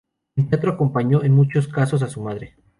En teatro acompañó en muchos casos a su madre.